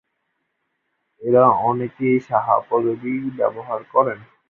এরা অনেকে সাহা পদবি ব্যবহার করেন।